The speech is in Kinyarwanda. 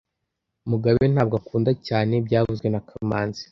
Mugabe ntabwo akunda cyane byavuzwe na kamanzi